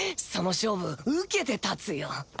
その勝負受けて立つよ。